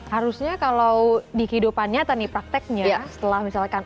harusnya kalau di kehidupan nyata nih prakteknya setelah misalkan